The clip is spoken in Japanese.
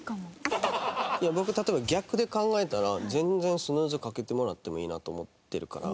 いや僕例えば逆で考えたら全然スヌーズかけてもらってもいいなと思ってるから。